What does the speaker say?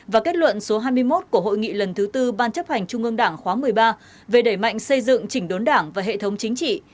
và kết luận số hai mươi một của hội nghị lần thứ tư ban chấp hành trung ương đảng khóa một mươi ba về đẩy mạnh xây dựng chỉnh đốn đảng và hệ thống chính trị